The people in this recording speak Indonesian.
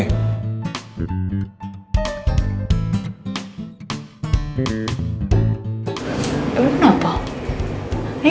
emang kenapa permintaan information bubblehike